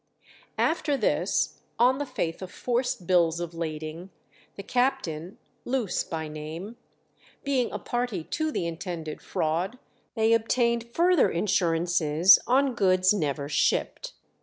After this, on the faith of forced bills of lading, the captain, Loose by name, being a party to the intended fraud, they obtained further insurances on goods never shipped.